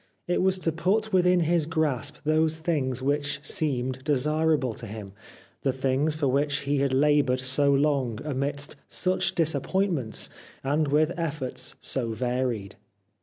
It was to put within his grasp those things which seemed desirable to him, the things for which he had laboured so long, amidst such disappointments, and with efforts so varied.